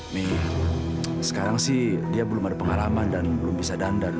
mei sekarang sih dia belum ada pengalaman dan belum bisa dandan